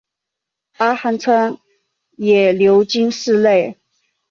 阿寒川也流经市内。